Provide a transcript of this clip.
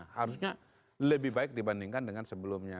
harusnya lebih baik dibandingkan dengan sebelumnya